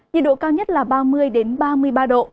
nhiệt độ cao nhất ngày mai là hai mươi tám ba mươi một độ